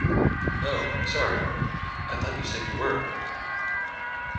Oh, sorry, I thought you said you were.